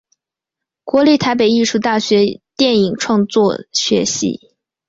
国立台北艺术大学电影创作学系